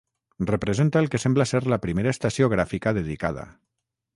Representa el que sembla ser la primera estació gràfica dedicada.